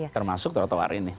termasuk trotoar ini